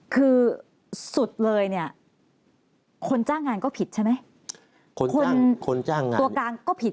คือสุดเลยคนจ้างงานก็ผิดใช่ไหม